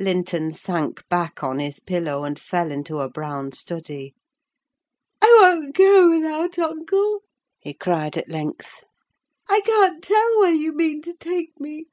Linton sank back on his pillow and fell into a brown study. "I won't go without uncle," he cried at length: "I can't tell where you mean to take me."